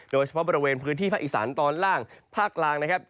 โดยเฉพาะบริเวณพื้นที่ภาคอีสานตอนล่างภาคกลางนะครับ